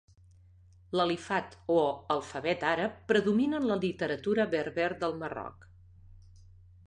L'alifat o alfabet àrab predomina en la literatura berber del Marroc.